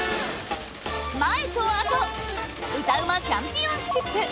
「前と後」歌うまチャンピオンシップ